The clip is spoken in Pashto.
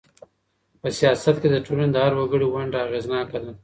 په سياست کي د ټولني د هر وګړي ونډه اغېزناکه ده.